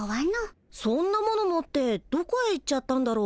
そんなもの持ってどこへ行っちゃったんだろ？